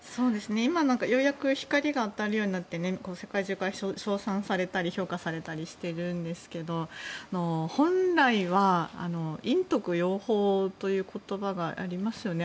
今、ようやく光が当たるようになって世界中から称賛されたり評価されたりしているんですが本来は陰徳陽報という言葉がありますよね。